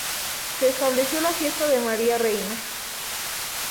Se estableció la fiesta de María Reina.